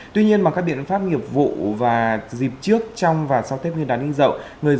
tuy nhiên mà các biện pháp nghiệp vụ và dịp trước trong và sau thép nguyên đán hình dậu